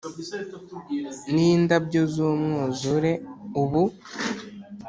n'indabyo z'umwuzure ubu.